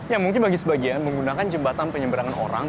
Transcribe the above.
ya mungkin bagi sebagian menggunakan jembatan penyeberangan orang